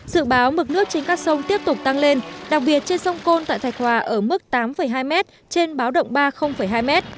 dự báo mực nước trên các sông tiếp tục tăng lên đặc biệt trên sông côn tại thạch hòa ở mức tám hai m trên báo động ba hai m